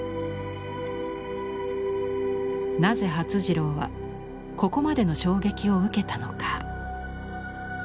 なぜ發次郎はここまでの衝撃を受けたのか。